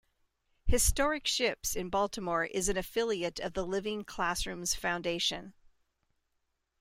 Historic Ships in Baltimore is an affiliate of the Living Classrooms Foundation.